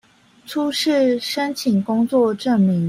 初次申請工作證明